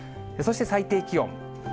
そして最低気温。